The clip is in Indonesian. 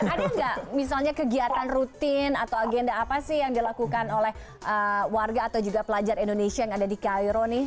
ada nggak misalnya kegiatan rutin atau agenda apa sih yang dilakukan oleh warga atau juga pelajar indonesia yang ada di cairo nih